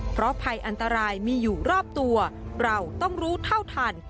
เพราะภัยอันตรายมีอยู่รอบตัวเราต้องรู้เท่าทัน